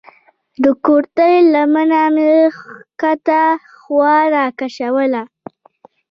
د کورتۍ لمن مې کښته خوا راکښوله.